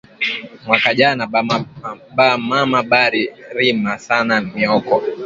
Mwaka jana, ba mama bari rima sana mioko